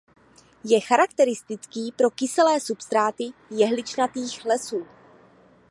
Je charakteristický pro kyselé substráty jehličnatých lesů.